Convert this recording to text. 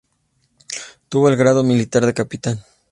Tuvo el grado militar de capitán.